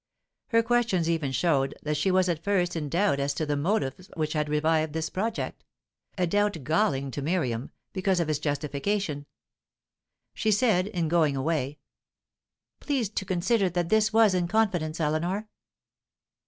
Her questions even showed that she was at first in doubt as to the motives which had revived this project a doubt galling to Miriam, because of its justification. She said, in going away: "Please to consider that this was in confidence, Eleanor."